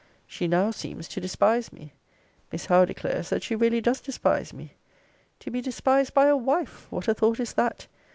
She now seems to despise me: Miss Howe declares, that she really does despise me. To be despised by a WIFE What a thought is that!